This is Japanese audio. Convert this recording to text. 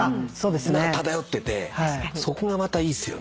漂っててそこがまたいいっすよね。